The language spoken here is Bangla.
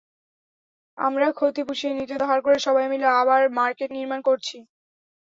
আমরা ক্ষতি পুষিয়ে নিতে ধার করে সবাই মিলে আবার মার্কেট নির্মাণ করছি।